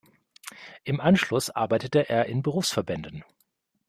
Im Anschluss arbeitete er in Berufsverbänden.